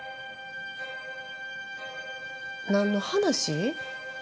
何の話？